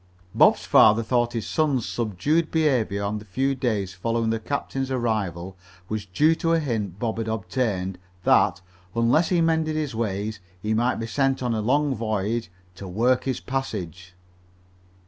Bob's father thought his son's subdued behavior on the few days following the captain's arrival was due to a hint Bob had obtained, that, unless he mended his ways, he might be sent on a long voyage to work his passage.